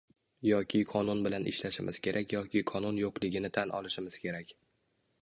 Yoki qonun bilan ishlashimiz kerak yoki qonun yo'qligini tan olishimiz kerak